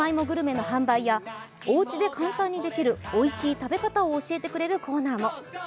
グルメの販売やおうちで簡単にできるおいしい食べ方を教えてくれるコーナーも。